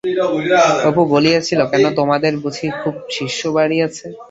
অপু বলিয়াছিল-কেন, তোমাদের বুঝি খুব শিষ্য-বাড়ি আছে?